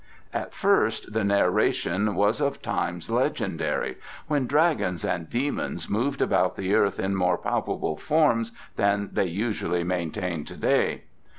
At first the narration was of times legendary, when dragons and demons moved about the earth in more palpable forms than they usually maintain to day.